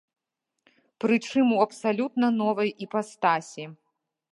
Прычым у абсалютна новай іпастасі.